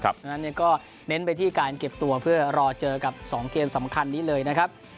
ดังนั้นก็เน้นไปที่การเก็บตัวเพื่อรอเจอกับ๒เกมสำคัญนี้เลยนะครับ